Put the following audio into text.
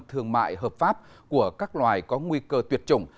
thương mại hợp pháp của các loài có nguy cơ tuyệt chủng